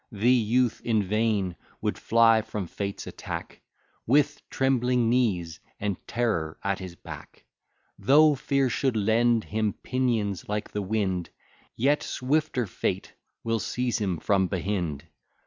The youth in vain would fly from Fate's attack; With trembling knees, and Terror at his back; Though Fear should lend him pinions like the wind, Yet swifter Fate will seize him from behind.